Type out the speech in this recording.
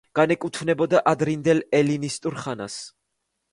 განეკუთვნებოდა ადრინდელ ელინისტურ ხანას.